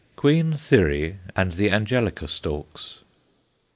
QUEEN THYRI AND THE ANGELICA STALKS.